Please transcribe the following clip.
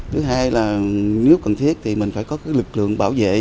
thứ hai là nếu cần thiết thì mình phải có lực lượng bảo vệ ở trong và ngoài tiệm vàng mình